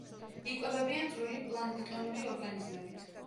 იკვებებიან წვრილი პლანქტონური ორგანიზმებით.